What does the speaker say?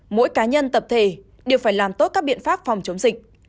mỗi cá nhân tập thể đều phải làm tốt các biện pháp phòng chống dịch